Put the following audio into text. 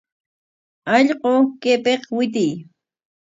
¡Allqu, kaypik witiy!